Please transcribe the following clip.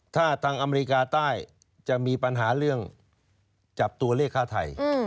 ถ้าทางอเมริกาใต้จะมีปัญหาเรื่องจับตัวเลขค่าไทย